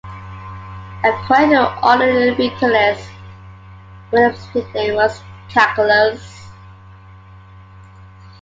According to Orderic Vitalis, William's nickname was "Calculus".